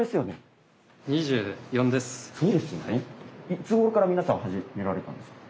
いつごろから皆さん始められたんですか？